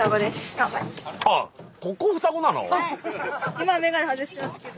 今眼鏡外してますけど。